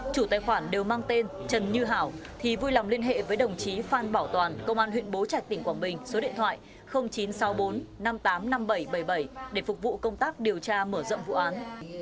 chủ tài khoản đều mang tên trần như hảo thì vui lòng liên hệ với đồng chí phan bảo toàn công an huyện bố trạch tỉnh quảng bình số điện thoại chín trăm sáu mươi bốn năm mươi tám năm nghìn bảy trăm bảy mươi bảy để phục vụ công tác điều tra mở rộng vụ án